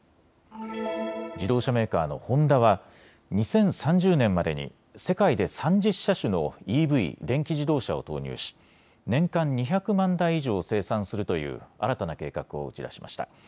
自動車メーカーのホンダは２０３０年までに世界で３０車種のＥＶ・電気自動車を投入し年間２００万台以上を生産するという新たな計画を打ち出しました。